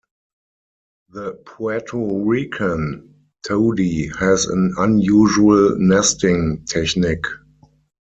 The Puerto Rican tody has an unusual nesting technique.